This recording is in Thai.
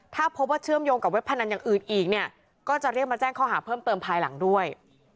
ถ้าพบว่าเชื่อมโยงกับเว็บพนันอย่างอื่นอีกเนี่ยก็จะเรียกมาแจ้งข้อหาเพิ่มเติมภายหลังด้วย